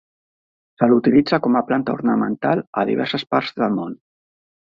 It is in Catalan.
Se l'utilitza com a planta ornamental a diverses parts del món.